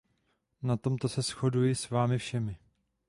Na tomto se shoduji s vámi všemi.